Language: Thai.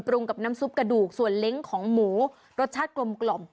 กับน้ำซุปกระดูกส่วนเล้งของหมูรสชาติกลม